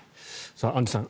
アンジュさん